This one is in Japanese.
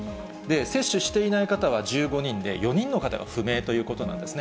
接種していない方は１５人で、４人の方が不明ということなんですね。